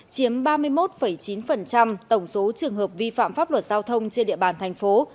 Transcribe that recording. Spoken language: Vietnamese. chiếm ba mươi một chín tổng số trường hợp vi phạm pháp luật giao thông trên địa bàn thành phố